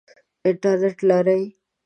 انټرنټ لرئ؟